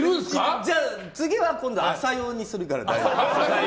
じゃあ、次は朝用にするから大丈夫。